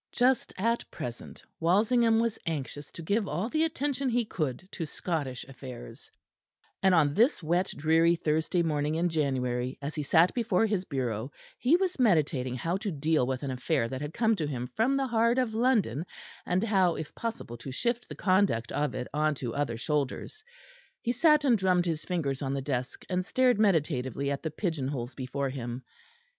Just at present Walsingham was anxious to give all the attention he could to Scottish affairs; and on this wet dreary Thursday morning in January as he sat before his bureau, he was meditating how to deal with an affair that had come to him from the heart of London, and how if possible to shift the conduct of it on to other shoulders. He sat and drummed his fingers on the desk, and stared meditatively at the pigeon holes before him.